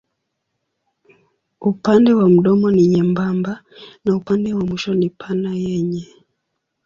Upande wa mdomo ni nyembamba na upande wa mwisho ni pana yenye.